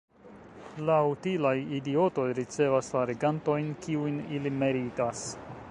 La utilaj idiotoj ricevas la regantojn kiujn ili meritas.